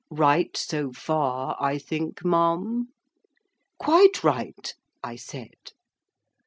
Right so far, I think, ma'am?" "Quite right," I said.